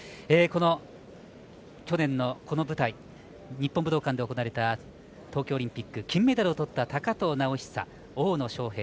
この去年の、この舞台日本武道館で行われた東京オリンピック金メダリストをとった高藤直寿大野将平。